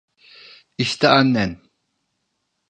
İşte annen.